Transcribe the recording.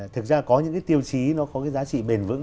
thực ra có những cái tiêu chí nó có cái giá trị bền vững